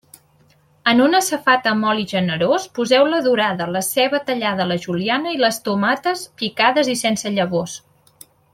En una safata amb oli generós poseu la dorada, la ceba tallada a la juliana i les tomates picades i sense llavors.